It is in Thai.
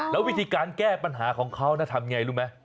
แล้ววิธีการแก้ปัญหาของเขานะทำอย่างไรรู้ไหม